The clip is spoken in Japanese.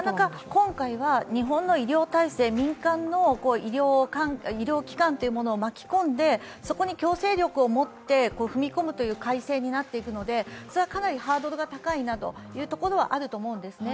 今回は日本の医療体制、民間の医療機関を巻き込んでそこに強制力を持って踏み込むという改正になっていくのでそれはかなりハードルが高いなというところはあると思うんですね。